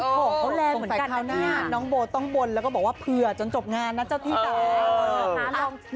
ของเขาแรงเหมือนกันนะเนี่ยน้องโบต้องบนแล้วก็บอกว่าเผื่อจนจบงานนะเจ้าที่จ้า